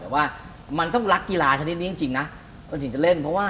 แต่ว่ามันต้องรักกีฬาชนิดนี้จริงนะมันถึงจะเล่นเพราะว่า